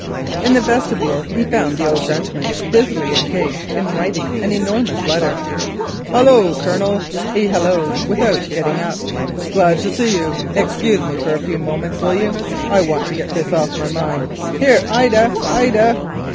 In the vestibule he found the old gentleman busily engaged in writing an enormous letter. "Hullo, Colonel," he halloaed, without getting up, "glad to see you. Excuse me for a few moments, will you, I want to get this off my mind. Ida! Ida!